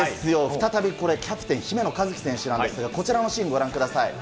再びこれ、キャプテン、姫野和樹選手なんですけど、こちらのシーン、ご覧ください。